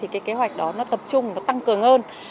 kế hoạch đó tập trung tăng cường hơn